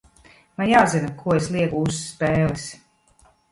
Man jāzina, ko es lieku uz spēles.